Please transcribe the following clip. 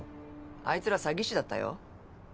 あいつら詐欺師だったよ。